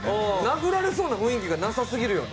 殴られそうな雰囲気がなさすぎるよね。